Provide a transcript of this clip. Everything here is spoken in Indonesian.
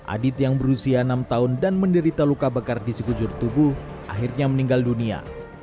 adit yang berusia enam tahun dan menderita luka bakar di sekujur tubuh akhirnya meninggal dunia